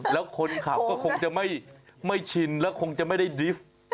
แล้วคนขับก็คงจะไม่ชินแล้วคงจะไม่ได้ดรีฟ